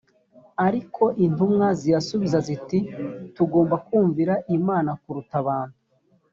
ariko intumwa zirasubiza ziti “tugomba kumvira imana kuruta abantu”